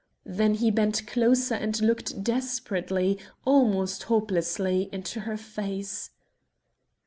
Then he bent closer and looked desperately, almost hopelessly, into her face.